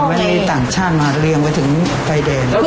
มันมีต่างช่างมาเรียงไปถึงไฟแดน